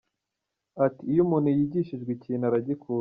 Ati “Iyo umuntu yigishijwe ikintu aragikunda.